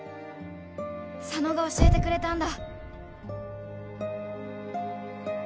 佐野が教えてくれたんだ